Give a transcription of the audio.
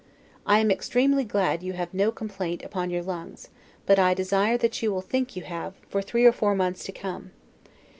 I am extremely glad that you have no complaint upon your lungs; but I desire that you will think you have, for three or four months to come.